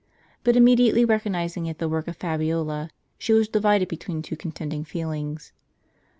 But immediately recognizing in it the work of Fabiola, she was divided be tween two contending feelings.